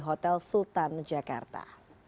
hotel sultan jakarta